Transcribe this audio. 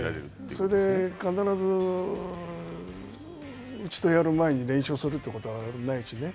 それで必ずうちとやる前に連勝するということはないしね。